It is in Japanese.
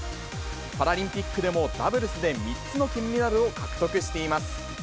パラリンピックでもダブルスで３つの金メダルを獲得しています。